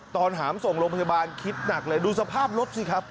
หามส่งโรงพยาบาลคิดหนักเลยดูสภาพรถสิครับ